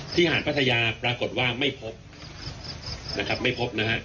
ที่หาดพัทยาปรากฏว่าไม่พบนะครับ